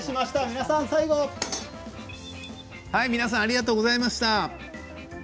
皆さん最後ありがとうございました。